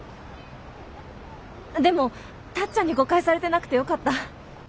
でもタッちゃんに誤解されてなくてよかった。